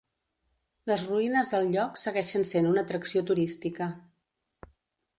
Les ruïnes del lloc segueixen sent una atracció turística.